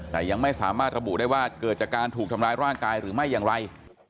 แต่ยังไม่สามารถระบุได้ว่าเกิดจากการถูกทำร้ายร่างกายหรือไม่อย่างไร